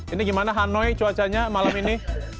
ini gimana hanoi cuacanya malam ini